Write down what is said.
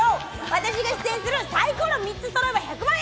私が出演する、サイコロ３つそろえば１００万円。